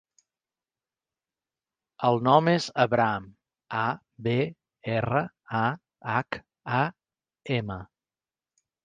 El nom és Abraham: a, be, erra, a, hac, a, ema.